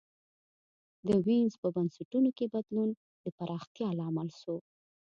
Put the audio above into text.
د وینز په بنسټونو کي بدلون د پراختیا لامل سو.